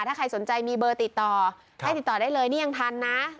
ถ้าใครสนใจมีเบอร์ติดต่อให้ติดต่อได้เลยนี่ยังทันนะ